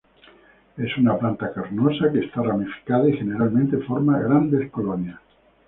Es una planta carnosa que están ramificada y generalmente forman grandes colonias.